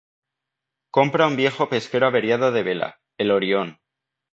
Compra un viejo pesquero averiado de vela, el Orion.